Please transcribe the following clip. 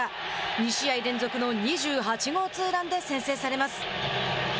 ２試合連続の２８号ツーランで先制されます。